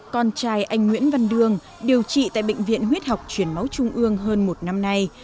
con trai anh nguyễn văn đương điều trị tại bệnh viện huyết học truyền máu trung ương hơn một năm nay